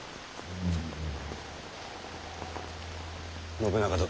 信長殿。